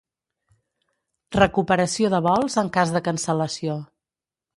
Recuperació de vols en cas de cancel·lació.